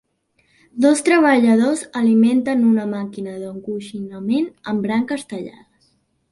Dos treballadors alimenten una màquina d'encoixinament amb branques tallades.